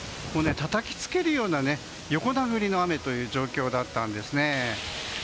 たたきつけるような横殴りの雨という状況だったんですね。